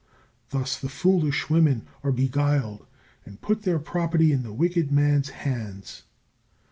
Thus the foolish women are beguiled, and put their property in the wicked man's hands.